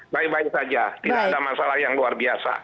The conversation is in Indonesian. baik baik saja tidak ada masalah yang luar biasa